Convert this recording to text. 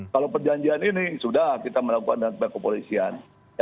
kalau perjanjian ini sudah kita melakukan dengan pihak kepolisian